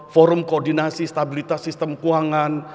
forum koordinasi stabilitas sistem keuangan